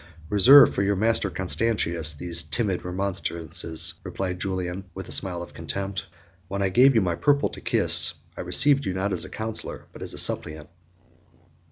"Reserve for your master Constantius these timid remonstrances," replied Julian, with a smile of contempt: "when I gave you my purple to kiss, I received you not as a counsellor, but as a suppliant."